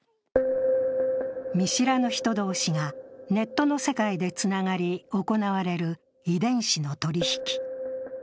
見知らぬ人同士がネットの世界でつながり行われる遺伝子の取り引き。